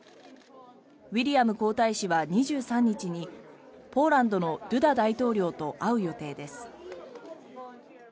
ウィリアム皇太子は２３日にポーランドのドゥダ大統領と会う予定です。